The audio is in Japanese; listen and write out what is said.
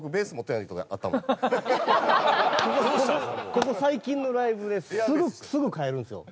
ここ最近のライブですぐ変えるんですよ